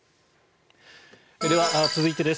では、続いてです。